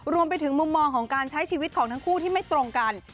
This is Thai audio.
รวมไปถึงมุมมองของการใช้ชีวิตของทั้งคู่ที่ไม่ตรงกัน